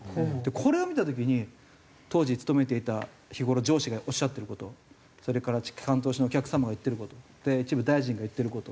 これを見た時に当時勤めていた日頃上司がおっしゃってる事それから機関投資のお客様が言ってる事一部大臣が言ってる事。